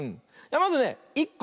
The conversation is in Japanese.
まずね１こ。